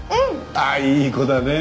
ああいい子だね。